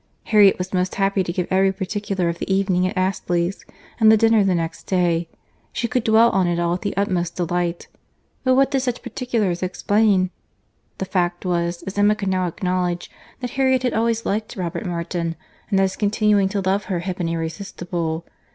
—Harriet was most happy to give every particular of the evening at Astley's, and the dinner the next day; she could dwell on it all with the utmost delight. But what did such particulars explain?—The fact was, as Emma could now acknowledge, that Harriet had always liked Robert Martin; and that his continuing to love her had been irresistible.